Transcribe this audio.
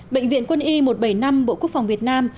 bệnh viện quân y một trăm bảy mươi năm bộ quốc phòng việt nam